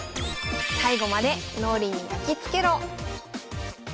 最後まで「脳裏にやきつけろ！」